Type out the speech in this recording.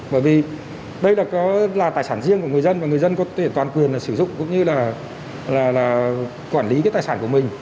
bởi vì đây có là tài sản riêng của người dân và người dân có thể toàn quyền sử dụng cũng như là quản lý cái tài sản của mình